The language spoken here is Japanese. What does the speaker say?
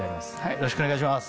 よろしくお願いします